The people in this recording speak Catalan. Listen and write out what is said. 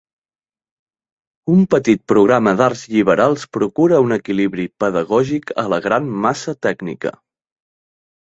Un petit programa d'arts lliberals procura un equilibri pedagògic a la gran massa tècnica.